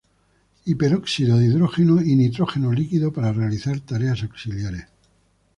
Y peróxido de hidrógeno y nitrógeno líquido para realizar tareas auxiliares.